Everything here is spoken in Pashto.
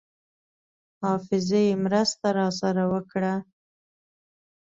حافظې مرسته راسره وکړه.